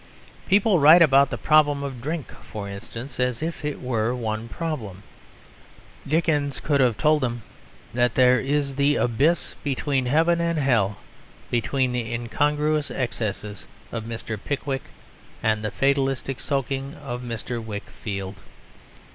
People write about the problem of drink, for instance, as if it were one problem. Dickens could have told them that there is the abyss between heaven and hell between the incongruous excesses of Mr. Pickwick and the fatalistic soaking of Mr. Wickfield.